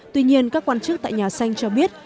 tuy nhiên các quan chức tại nhà xanh cho biết